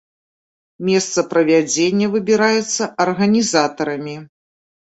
Месца правядзення выбіраецца арганізатарамі.